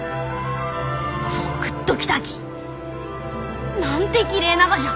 ゾクッときたき！なんてきれいながじゃ！